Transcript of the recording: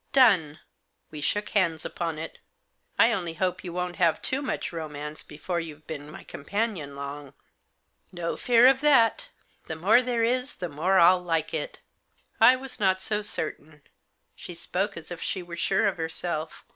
" Done !" We shook hands upon it " I only hope you won't have too much romance before you've been my companion long." Digitized by 56 THE JOSS. " No fear of that ! The more there is the more I'll like it" I was not so certain. She spoke as if she were sure of herself.